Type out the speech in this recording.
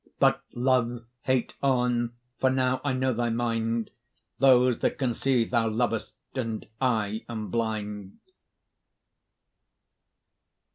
But, love, hate on, for now I know thy mind; Those that can see thou lov'st, and I am blind.